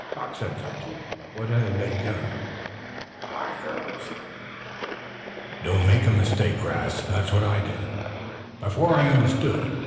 "Talk sense, Archie. What have they done? What can they do? Pah! Girls!" "Don't make a mistake, 'Rast. That's what I did, before I understood.